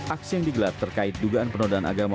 aksi yang digelar terkait dugaan penodaan agama